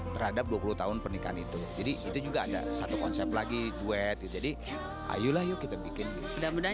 terhadap dua puluh tahun pernikahan itu jadi itu juga ada satu konsep lagi duet jadi ayolah yuk kita bikin mudah mudahan